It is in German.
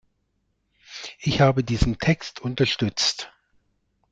Ich habe diesen Text unterstützt.